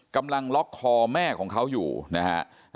กำลังล็อกคอแม่ของเขาอยู่นะฮะ